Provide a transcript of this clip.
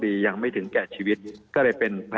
มีความรู้สึกว่ามีความรู้สึกว่า